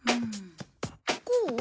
こう？